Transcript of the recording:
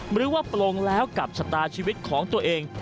หรือว่าโปร่งแล้วกับชะตาชีวิตของตัวเอง